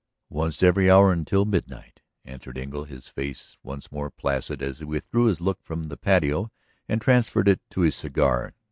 "Once every hour until midnight," answered Engle, his face once more placid as he withdrew his look from the patio and transferred it to his cigar.